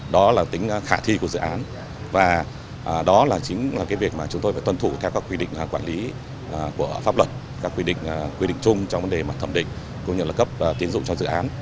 đó là tính khả thi của dự án và đó là chính là cái việc mà chúng tôi phải tuân thủ theo các quy định quản lý của pháp luật các quy định quy định chung trong vấn đề mà thẩm định cũng như là cấp tiến dụng cho dự án